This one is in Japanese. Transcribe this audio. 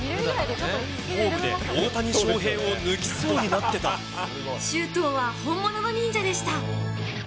ホームで大谷翔平を抜きそう周東は本物の忍者でした。